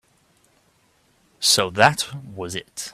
So that was it.